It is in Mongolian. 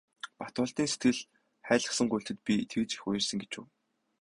Батболдын сэтгэл хайлгасан гуйлтад би тэгж их уярсан гэж үү.